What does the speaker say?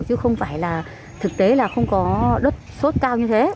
chứ không phải là thực tế là không có đất sốt cao như thế